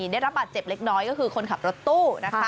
ได้รับบาดเจ็บเล็กน้อยก็คือคนขับรถตู้นะคะ